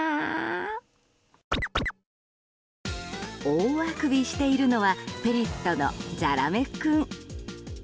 大あくびしているのはフェレットのざらめ君。